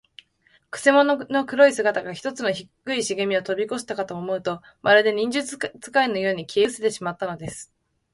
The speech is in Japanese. くせ者の黒い姿が、ひとつの低いしげみをとびこしたかと思うと、まるで、忍術使いのように、消えうせてしまったのです。